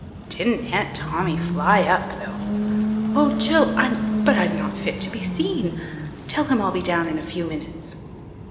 Didn't Aunt Tommy fly up, though! "Oh, Jill but I'm not fit to be seen tell him I'll be down in a few minutes."